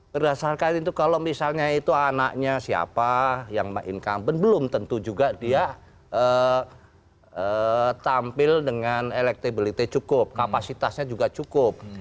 berdasarkan itu kalau misalnya itu anaknya siapa yang main incumbent belum tentu juga dia tampil dengan elektabilitas cukup kapasitasnya juga cukup